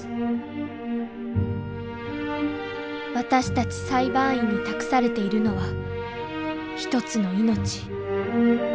私たち裁判員に託されているのは１つの命。